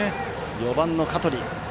４番の香取。